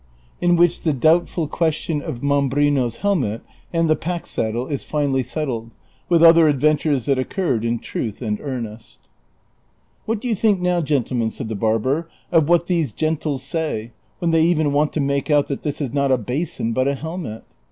IN WHICH THE DOUBTFUL QUESTION OF MAMBRINO's HELMET AND THE PACK SADDLE IS FINALLY SETTLED, WITH OTHER ADVENTURES THAT OCCURRED IN TRUTH AND EARNEST. ' What do you think now^ gentlemen," said the barber, " of what these gentles say, when they even want to make out that this is not a basin but a helmet